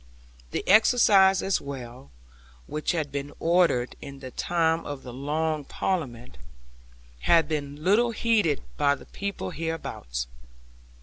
The excise as well (which had been ordered in the time of the Long Parliament) had been little heeded by the people hereabouts.